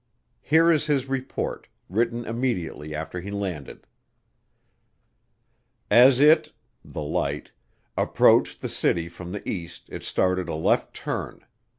Here is his report, written immediately after he landed: As it [the light] approached the city from the east it started a left turn.